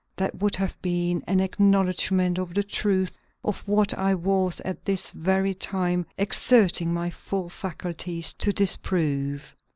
That would have been an acknowledgment of the truth of what I was at this very time exerting my full faculties to disprove.